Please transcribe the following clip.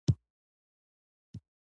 باید له اشخاصو سره د بالذات غایې چلند وشي.